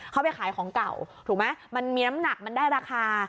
เขาไปขายของเก่าถูกไหมมันมีน้ำหนักมันได้ราคา